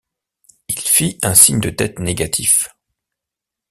Il fit un signe de tête négatif.